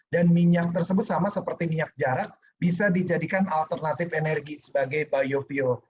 dan minyak tersebut sama seperti minyak jarak bisa dijadikan alternatif energi sebagai biofuel